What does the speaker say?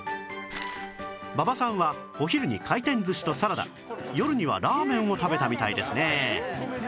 馬場さんはお昼に回転寿司とサラダ夜にはラーメンを食べたみたいですね